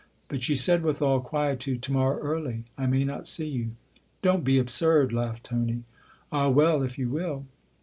But she said with all quietude: ''To morrow early. I may not see you." " Don't be absurd !" laughed Tony. " Ah, well if you will